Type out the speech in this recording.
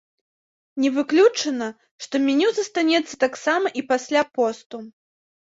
Не выключана, што меню застанецца таксама і пасля посту.